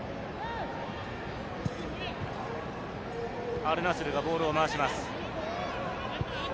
アルナスルがボールを回します。